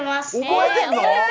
覚えてんの⁉